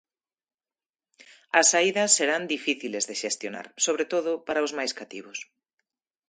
As saídas serán difíciles de xestionar, sobre todo para os máis cativos.